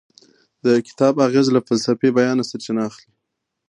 د کتاب اغیز له فلسفي بیانه سرچینه اخلي.